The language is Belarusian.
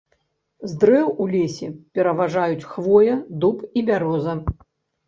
З дрэў у лесе пераважаюць хвоя, дуб і бяроза.